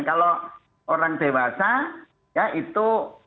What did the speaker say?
kalau orang dewasa ya itu